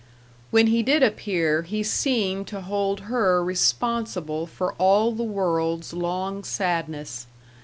When he did appear he seemed to hold her responsible for all the world's long sadness.